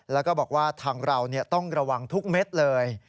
แล้วก็บอกว่าทางเราต้องระวังทุกเม็ดเลย